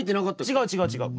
違う違う違う。